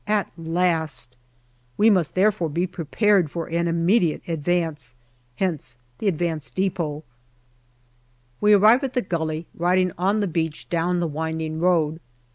At last ! We must therefore be prepared for an immediate advance. Hence the advanced depot. 182 GALLIPOLI DIARY We arrive at the gully, riding on to the beach down the winding road.